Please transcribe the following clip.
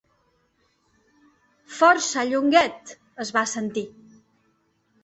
Força Llonguet! —es va sentir.